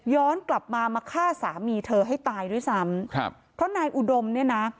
กลับมามาฆ่าสามีเธอให้ตายด้วยซ้ำครับเพราะนายอุดมเนี่ยนะ